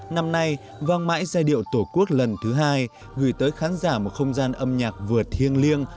năm nay vang mãi giai điệu tổ quốc lần thứ hai gửi tới khán giả một không gian âm nhạc vượt thiêng liêng